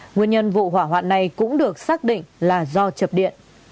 nguyên nhân vụ hỏa hoạn này cũng được xác định là do chập điện